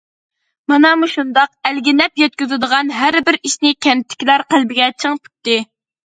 مانا مۇشۇنداق ئەلگە نەپ يەتكۈزىدىغان ھەر بىر ئىشنى كەنتتىكىلەر قەلبىگە چىڭ پۈكتى.